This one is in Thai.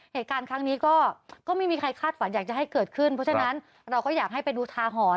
เหตุการณ์ครั้งนี้ก็ไม่มีใครคาดฝันอยากจะให้เกิดขึ้นเพราะฉะนั้นเราก็อยากให้ไปดูทาหรณ์